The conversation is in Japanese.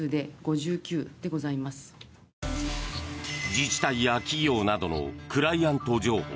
自治体や企業などのクライアント情報